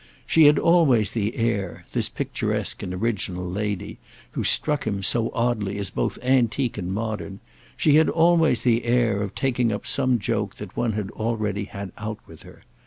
She had always the air, this picturesque and original lady, who struck him, so oddly, as both antique and modern—she had always the air of taking up some joke that one had already had out with her.